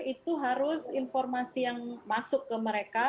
itu harus informasi yang masuk ke mereka